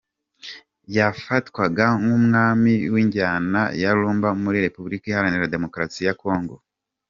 Yafatwaga nk’umwami w’injyana ya Rumba muri Repubilika Iharanira Demokarasi ya Congo.